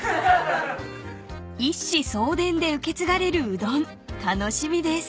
［一子相伝で受け継がれるうどん楽しみです］